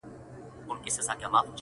• خان پر آس باند پښه واړول تیار سو -